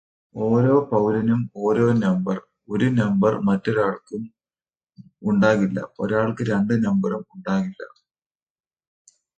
ഓരോ പൗരനും ഓരോ നമ്പര്, ഒരു നമ്പരും മറ്റൊരാള്ക്ക് ഉണ്ടാകില്ല, ഒരാള്ക്കും രണ്ടു നമ്പരും ഉണ്ടാകില്ല